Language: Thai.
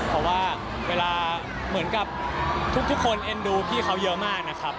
เพราะว่าเวลาเหมือนกับทุกคนเอ็นดูพี่เขาเยอะมากนะครับ